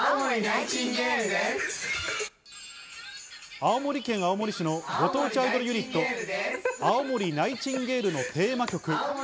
青森県青森市のご当地アイドルユニット、青森ナイチンゲールのテーマ曲。